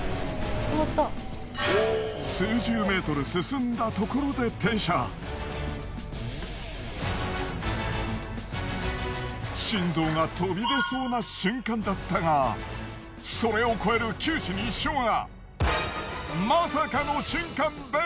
数十メートル進んだところで心臓が飛び出そうな瞬間だったがそれを超える九死に一生が。